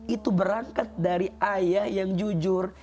itu berangkat dari ayah yang jujur